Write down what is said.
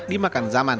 dan punah dimakan zaman